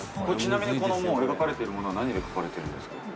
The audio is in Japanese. これちなみに、もう描かれているものは何で書かれてるんですか。